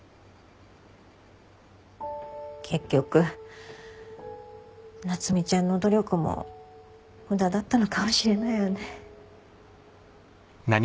結局夏海ちゃんの努力も無駄だったのかもしれないわね。